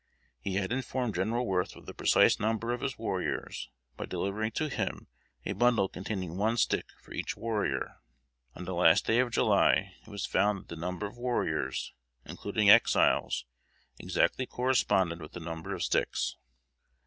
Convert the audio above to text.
He had informed General Worth of the precise number of his warriors by delivering to him a bundle containing one stick for each warrior. On the last day of July, it was found that the number of warriors, including Exiles, exactly corresponded with the number of sticks.